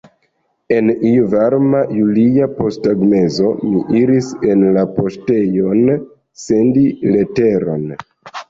En iu varma julia posttagmezo mi iris en la poŝtejon sendi leteron.